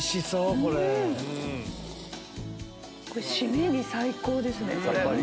これ締めに最高ですね！